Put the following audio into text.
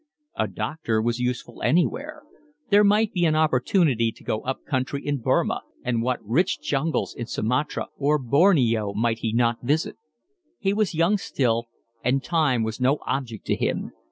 A doctor was useful anywhere. There might be an opportunity to go up country in Burmah, and what rich jungles in Sumatra or Borneo might he not visit? He was young still and time was no object to him.